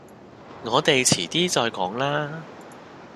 我哋遲啲再講啦